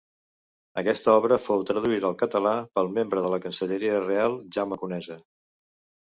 Aquesta obra fou traduïda al català pel membre de la Cancelleria reial Jaume Conesa.